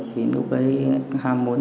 thì lúc ấy ham muốn